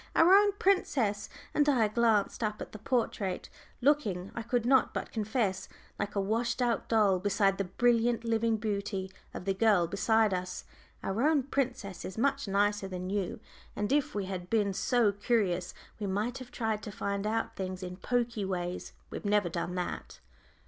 Our own princess," and I glanced up at the portrait, looking, I could not but confess, like a washed out doll beside the brilliant living beauty of the girl beside us, "our own princess is much nicer than you. And if we had been so curious we might have tried to find out things in pokey ways. We've never done that."